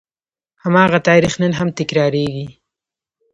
هماغه تاریخ نن هم تکرارېږي.